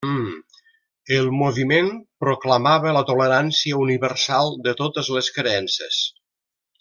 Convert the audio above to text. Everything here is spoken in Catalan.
El moviment proclamava la tolerància universal de totes les creences.